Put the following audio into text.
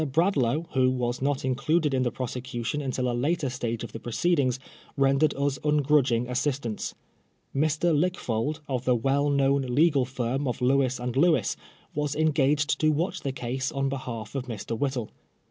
Bradlaugh, who was not included in the prosecution until a later stage of the proceedings, rendered us ungrudging assistance. Mr. Lickfold, of the well known legal firm of Lewis and Lewis, was engaged to watch the case on behalf of Mr. Whittle.